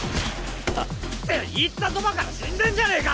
「」あっ！って言ったそばから死んでんじゃねえか！